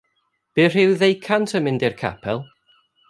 Bydd rhyw ddeucant yn mynd i'r capel.